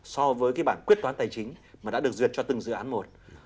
so với cái bản quyết toán tài chính mà đã được duyệt cho từng dự án một